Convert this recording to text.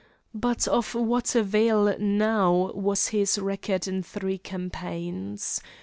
But of what avail now was his record in three campaigns?